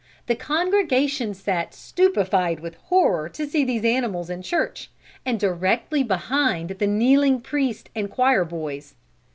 The congregation sat stupefied with horror to see these animals in church and directly behind the kneeling priest and choir boys.